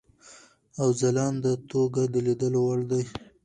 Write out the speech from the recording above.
او ځلانده توګه د لیدلو وړ دی.